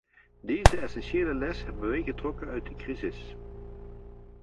Deze essentiële les hebben wij getrokken uit de crisis.